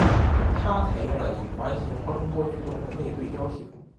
它采用了以环形超声波驱动的内对焦系统。